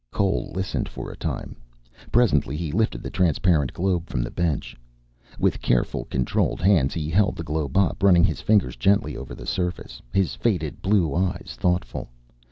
Cole listened for a time. Presently he lifted the transparent globe from the bench. With carefully controlled hands he held the globe up, running his fingers gently over the surface, his faded blue eyes thoughtful.